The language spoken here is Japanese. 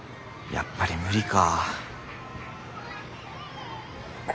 やっぱり無理か。